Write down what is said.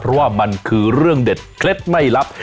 เพราะว่ามันคือเรื่องเด็ดเคล็ดไม่ลับ